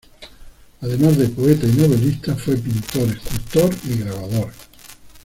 Además de poeta y novelista, fue pintor escultor y grabador.